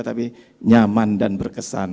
tapi nyaman dan berkesan